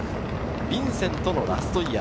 ヴィンセントのラストイヤー。